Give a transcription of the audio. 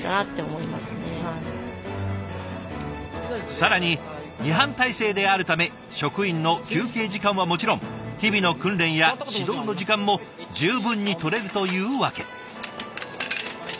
更に２班体制であるため職員の休憩時間はもちろん日々の訓練や指導の時間も十分にとれるというわけ。